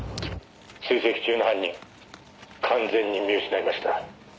「追跡中の犯人完全に見失いました」